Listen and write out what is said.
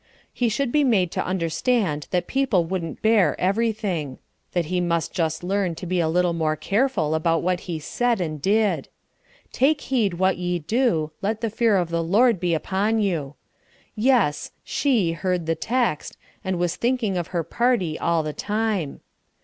He should be made to understand that people wouldn't bear everything; that he must just learn to be a little more careful about what he said and did. "Take heed what ye do; let the fear of the Lord be upon you." Yes, she heard the text, and was thinking of her party all the time.